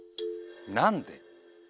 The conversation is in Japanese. なんで？